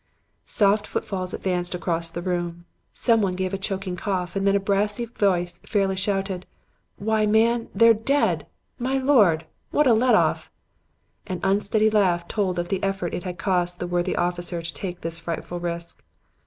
"Soft footsteps advanced across the room. Someone gave a choking cough and then a brassy voice fairly shouted, 'Why, man, they're dead! My Lord! What a let off!' "An unsteady laugh told of the effort it had cost the worthy officer to take this frightful risk.